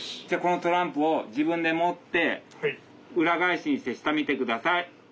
じゃあこのトランプを自分で持って裏返しにして下見て下さい。